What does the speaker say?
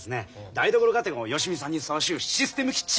台所かて芳美さんにふさわしゅうシステムキッチンをどんと。